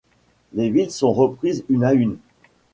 Les villes sont reprises une à une.